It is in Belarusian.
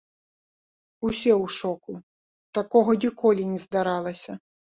Усе ў шоку, такога ніколі не здаралася.